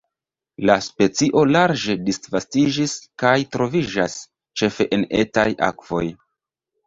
La specio larĝe disvastiĝis kaj troviĝas ĉefe en etaj akvoj.